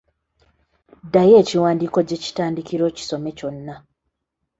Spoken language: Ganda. Ddayo ekiwandiiko gye kitandikira okisome kyonna.